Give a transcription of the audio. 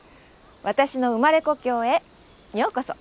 私の生まれ故郷へようこそ。